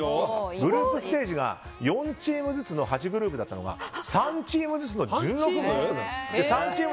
グループステージが４チームずつの８グループだったのが３チームずつの１６グループ。